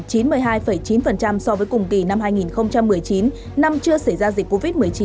khách đến bằng đường hàng không gấp chín chín so với cùng kỳ năm hai nghìn một mươi chín năm chưa xảy ra dịch covid một mươi chín